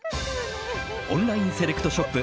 オンラインセレクトショップ